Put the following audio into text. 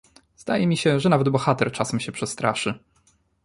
"Zdaje mi się, że nawet bohater czasem się przestraszy."